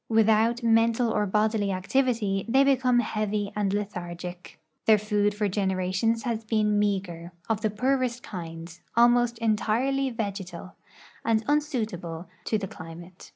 Without mental or bodily activity, they become heavy and lethargic. Their food for generations has been mea ger, of the poorest kind, almost entirely vegetal, and unsuitable to the climate.